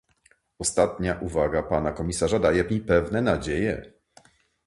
Ostatnia uwaga pana komisarza daje mi pewne nadzieje